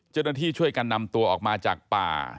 เจ้าหน้าที่ช่วยกันนำตัวออกมาจากป่า